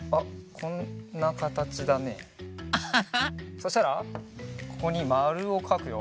そしたらここにまるをかくよ。